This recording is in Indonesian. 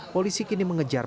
polisi kini mengejar pak